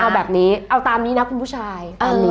เอาแบบนี้เอาตามนี้นะคุณผู้ชาย